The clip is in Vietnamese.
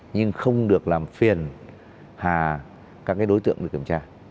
nhưng không được làm phiền hà các cái đối tượng được kiểm tra